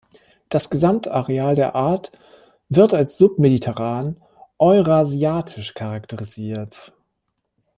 Das Gesamtareal der Art wird als submediterran-eurasiatisch charakterisiert.